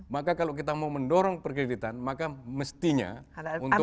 maka kalau kita mau mendorong perkreditan maka mestinya untuk